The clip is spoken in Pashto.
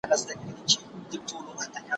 له نړۍ څخه يې بېل وه عادتونه